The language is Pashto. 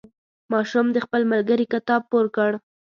ماشوم د خپل ملګري کتاب پور کړ.